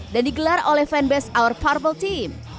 dan digelar oleh fanbase our purple team